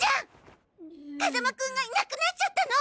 風間くんがいなくなっちゃったの！